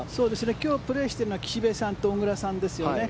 今日プレーしているのは岸部さんと小倉さんですよね。